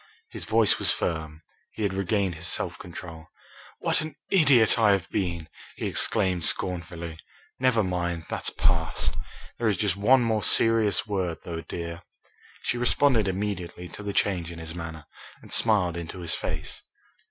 His voice was firm. He had regained his self control. "What an idiot I have been!" he exclaimed scornfully. "Never mind, that's past. There is just one more serious word, though, dear." She responded immediately to the change in his manner, and smiled into his face.